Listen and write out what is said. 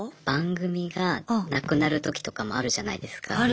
番組がなくなるときとかもあるじゃないですか。